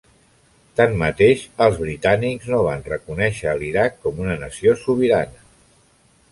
Tanmateix, els britànics no van reconèixer a l'Iraq com una nació sobirana.